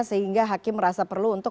sehingga hakim merasa perlu untuk